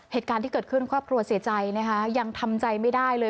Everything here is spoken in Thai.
เหตุการณ์ที่เกิดขึ้นครอบครัวเสียใจนะคะยังทำใจไม่ได้เลย